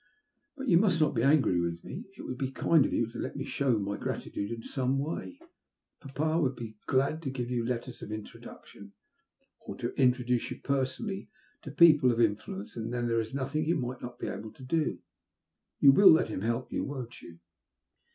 But you must not be angry with me. It would be kind of you to let me show my gratitude in some way. Papa would be so glad to give you letters of introduc tion, or to introduce you personally to people of influence, and then there is nothing you might not be able to do. You will let him help you, won*t you?"